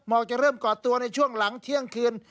จะเริ่มก่อตัวในช่วงหลังเที่ยงคืน